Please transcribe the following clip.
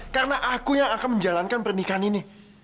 karena aku yang akan menjalankan pernikahan ini